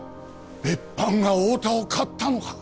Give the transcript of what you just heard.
別班が太田を買ったのか？